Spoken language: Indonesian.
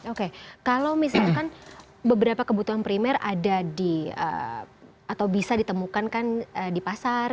oke kalau misalkan beberapa kebutuhan primer ada di atau bisa ditemukan kan di pasar